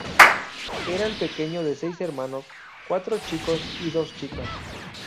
Era el pequeño de seis hermanos, cuatro chicos y dos chicas.